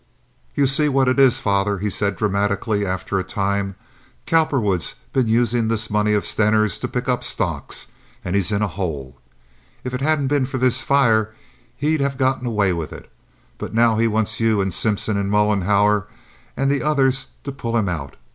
"You see what it is, father," he said, dramatically, after a time. "Cowperwood's been using this money of Stener's to pick up stocks, and he's in a hole. If it hadn't been for this fire he'd have got away with it; but now he wants you and Simpson and Mollenhauer and the others to pull him out.